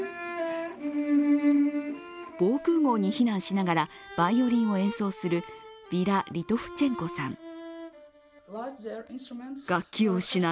防空ごうに避難しながらバイオリンを演奏するヴィラ・リトフチェンコさん。